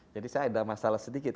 jadi saya ada masalah sedikit